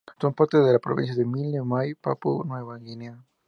Son parte de la provincia de Milne Bay, Papúa Nueva Guinea.